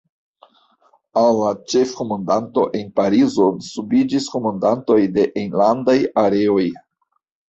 Al la Ĉefkomandanto en Parizo subiĝis komandantoj de enlandaj Areoj.